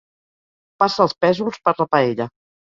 Passa els pèsols per la paella.